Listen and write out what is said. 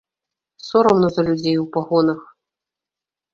Сорамна за людзей у пагонах.